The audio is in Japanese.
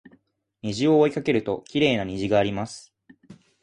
虹を追いかけるときれいな虹があります